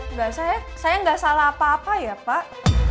enggak saya enggak salah apa apa ya pak